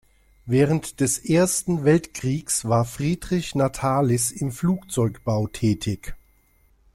Während des Ersten Weltkriegs war Friedrich Natalis im Flugzeugbau tätig.